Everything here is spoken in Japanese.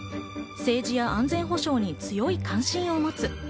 政治や安全保障に強い関心を持つ。